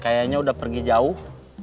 kayanya udah pergi jauh